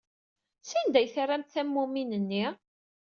Sanda ay terramt tammumin-nni?